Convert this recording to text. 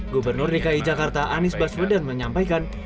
gubernur dki jakarta anies baswedan menyampaikan